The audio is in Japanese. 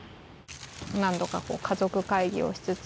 何度か家族会議をしつつ。